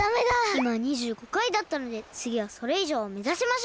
いま２５回だったのでつぎはそれいじょうをめざしましょう！だね！